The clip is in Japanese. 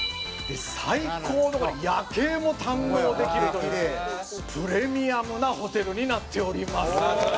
「最高のこれ夜景も堪能できるというプレミアムなホテルになっております」